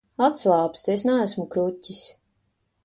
Atslābsti, es neesmu kruķis.